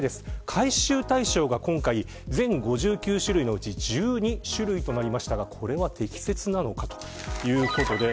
回収対象が今回全５９種類のうち１２種類となりましたがこれは適切なのかということです。